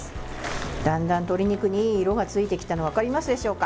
だんだん、鶏肉にいい色がついてきたの分かりますでしょうか。